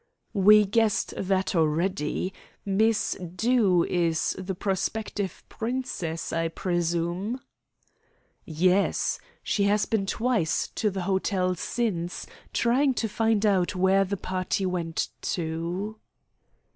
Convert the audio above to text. "We guessed that already. Miss Dew is the prospective princess, I presume?" "Yes. She has been twice to the hotel since, trying to find out where the party went to."